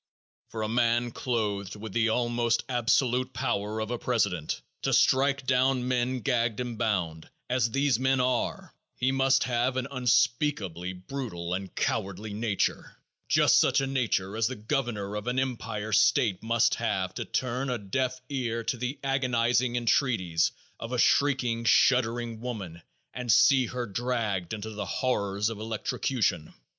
For a man clothed with the almost absolute power of a president to strike down men gagged and bound, as these men are, he must have an unspeakably brutal and cowardly nature, just such a nature as the governor of an empire state must have to turn a deaf ear to the agonizing entreaties of a shrieking, shuddering woman and see her dragged into the horrors of electrocution.